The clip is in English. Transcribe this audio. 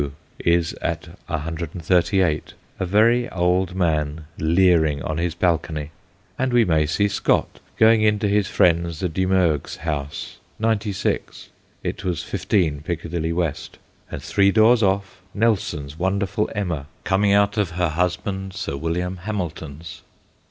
is at 138 a very old man leering on his balcony ; and we may see Scott going into his friends the Dumergues' house, 96 (it was 15 Piccadilly, West); and, three doors off, Nelson's won derful Emma coming out of her husband Sir William Hamilton's.